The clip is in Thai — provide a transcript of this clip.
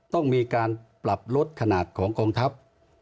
ต้องมีการปรับลดขนาดของกองทัพ